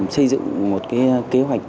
xây dựng một kế hoạch